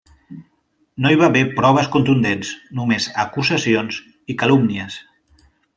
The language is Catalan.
No hi va haver proves contundents, només acusacions i calúmnies.